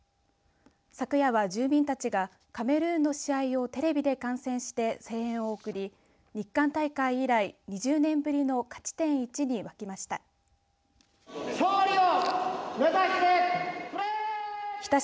昨夜は住民たちがカメルーンの試合をテレビで観戦して声援を送り日韓大会以来２０年ぶりの勝ち点１に沸きました。